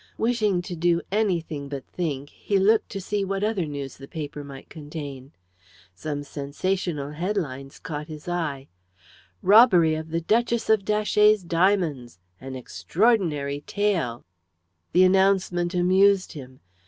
Wishing to do anything but think, he looked to see what other news the paper might contain. Some sensational headlines caught his eye. "ROBBERY OF THE DUCHESS OF DATCHET'S DIAMONDS! "AN EXTRAORDINARY TALE." The announcement amused him.